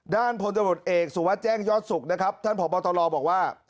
ด้านพลตำรวจเอกสุวัสดิแจ้งยอดสุขนะครับท่านพบตรบอกว่า